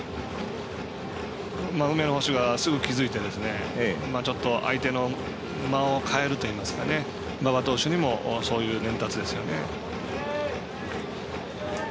梅野捕手がすぐ気付いて相手の間を変えるといいますか馬場投手にもそういう伝達ですよね。